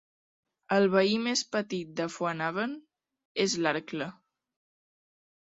El veí més petit del Foinaven és l'Arkle.